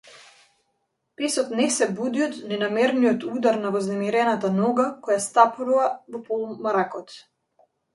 Песот не се буди од ненамерниот удар на вознемирената нога која стапнува во полумракот.